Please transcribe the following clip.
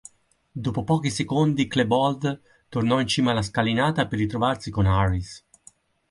Dopo pochi secondi, Klebold tornò in cima alla scalinata per ritrovarsi con Harris.